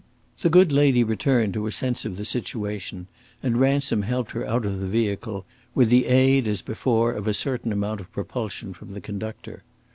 The good lady returned to a sense of the situation, and Ransom helped her out of the vehicle, with the aid, as before, of a certain amount of propulsion from the conductor.